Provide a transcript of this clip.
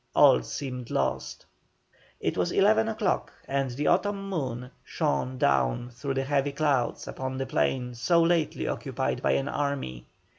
All seemed lost. It was eleven o'clock, and the autumn moon shone down through the heavy clouds upon the plain so lately occupied by an army.